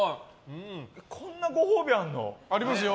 こんなご褒美あるの？ありますよ。